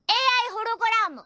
ＡＩホログラム。